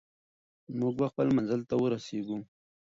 موږ به خپل منزل ته ورسېږو.